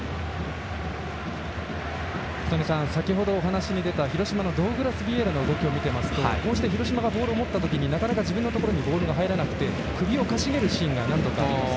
曽根さん、先ほどお話に出た広島のドウグラス・ヴィエイラの動きを見ていますとこうして広島がボールを持った時なかなか自分のところにボールが入らなくて首をかしげるシーンが何度かあります。